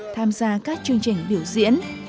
tham gia các chương trình biểu diễn